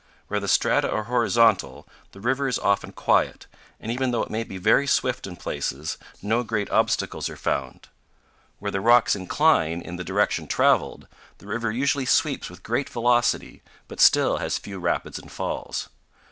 Where the strata are horizontal the river is often quiet, and, even though it may be very swift in places, no great obstacles are found. Where the rocks incline in the direction traveled, the river usually sweeps with great velocity, but still has few rapids and falls.